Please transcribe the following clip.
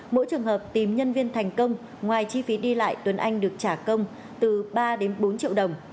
mỗi trường hợp tìm nhân viên thành công ngoài chi phí đi lại tuấn anh được trả công từ ba đến bốn triệu đồng